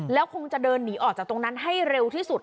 แล้วคงจะเดินหนีออกจากตรงนั้นให้เร็วที่สุด